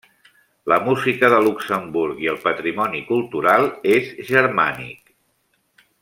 La música de Luxemburg i el patrimoni cultural és germànic.